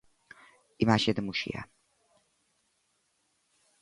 Imaxe de Muxía.